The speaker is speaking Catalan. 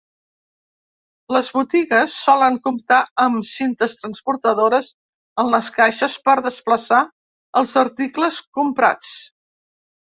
Les botigues solen comptar amb cintes transportadores en les caixes per desplaçar els articles comprats.